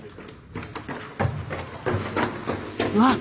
うわっ！